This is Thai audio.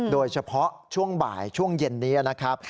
โดยเฉพาะช่วงบ่ายช่วงเย็นนี้นะครับ